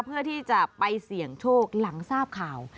เพื่อที่จะไปเสี่ยงโชคหลังทราบข่าว